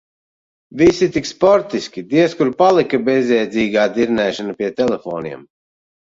Visi tik sportiski, diez kur palika bezjēdzīgā dirnēšana pie telefoniem.